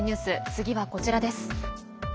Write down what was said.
次はこちらです。